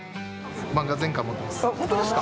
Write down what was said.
漫画全巻持ってます。